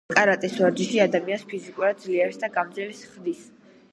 კარატეს ვარჯიში ადამიანს ფიზიკურად ძლიერს და გამძლეს ხდის.